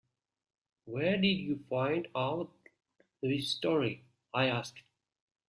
“Where did you find out this story?” I asked.